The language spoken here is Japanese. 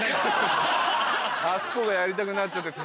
あそこがやりたくなっちゃって。